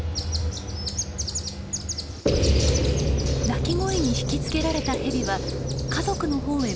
鳴き声に引き付けられたヘビは家族のほうへ向かい始めました。